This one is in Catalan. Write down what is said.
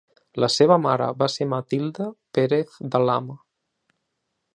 La seva mare va ser Matilde Pérez de Lama.